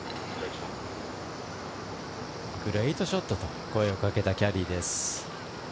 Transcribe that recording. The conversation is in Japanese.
グレートショットと声をかけたキャディーです。